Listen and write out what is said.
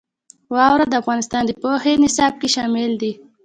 واوره د افغانستان د پوهنې نصاب کې شامل دي.